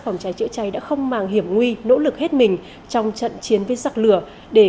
phòng cháy chữa cháy đã không màng hiểm nguy nỗ lực hết mình trong trận chiến với giặc lửa để